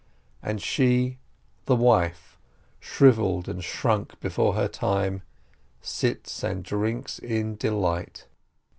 And she, the wife, shrivelled and shrunk before her time, sits and drinks in delight.